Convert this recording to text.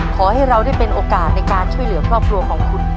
ขอให้เราได้เป็นโอกาสในการช่วยเหลือครอบครัวของคุณ